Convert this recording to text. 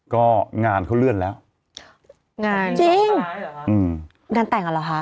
ก็งานเขาเลื่อนแล้วจริงงานแต่งหรอคะ